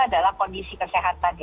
adalah kondisi kesehatan